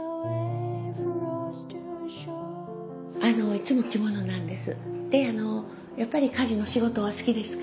いつも着物なんです。